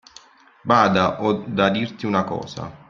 Bada ho da dirti una cosa.